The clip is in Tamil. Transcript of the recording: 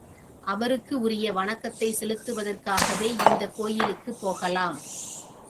அவருக்கு உரிய வணக்கத்தைச் செலுத்துவதற்காகவே இந்தக் கோயிலுக்குப் போகலாம்.